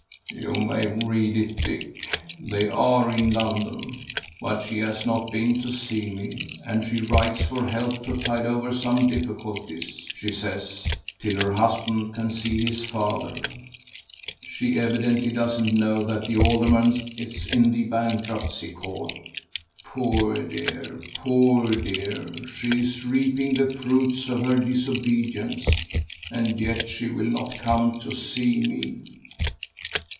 "You may read it, Dick. They are in London, but she has not been to see me, and she writes for help to tide over some difficulties, she says, till her husband can see his father. She evidently doesn't know that the alderman's in the bankruptcy court. Poor dear, poor dear, she's reaping the fruits of her disobedience, and yet she will not come to see me.